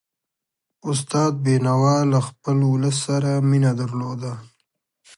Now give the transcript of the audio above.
استاد بينوا له خپل ولس سره مینه درلودله.